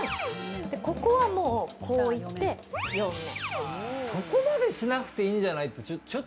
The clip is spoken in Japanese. ここは、こういって４面。